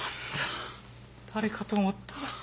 誰かと思ったら。